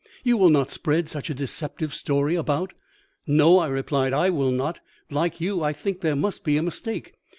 You will not spread such a deceptive story about?' "'No,' I replied, 'I will not. Like you, I think there must be a mistake.